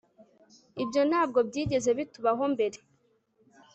Ibyo ntabwo byigeze bitubaho mbere